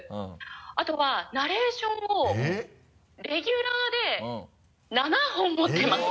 あとはナレーションをレギュラーで７本持ってます！